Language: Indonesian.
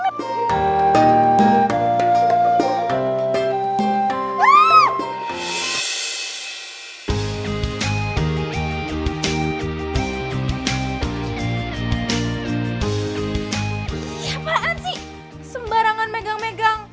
siapaan sih sembarangan megang megang